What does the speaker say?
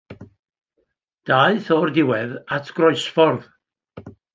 Daeth o'r diwedd at groesffordd.